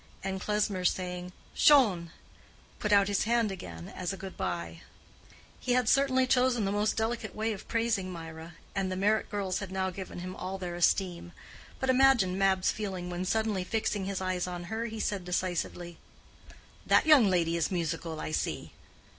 And Klesmer saying "Schön!" put out his hand again as a good by. He had certainly chosen the most delicate way of praising Mirah, and the Meyrick girls had now given him all their esteem. But imagine Mab's feeling when suddenly fixing his eyes on her, he said decisively, "That young lady is musical, I see!"